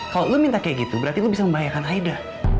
kalau lo minta kayak gitu berarti lu bisa membahayakan aida